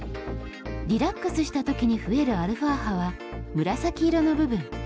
リラックスした時に増えるα波は紫色の部分。